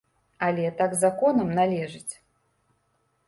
Але так законам належыць.